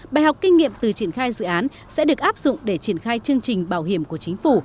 bài học kinh nghiệm từ triển khai dự án sẽ được áp dụng để triển khai chương trình bảo hiểm của chính phủ